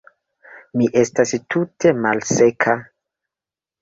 Mi estas tute malseka.